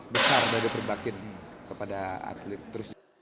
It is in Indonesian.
besar dari perbakin kepada atlet